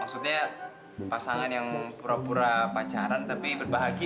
maksudnya pasangan yang pura pura pacaran tapi berbahagia